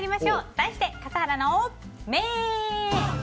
題して、笠原の眼！